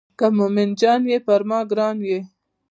که مومن جان یې پر ما ګران یې.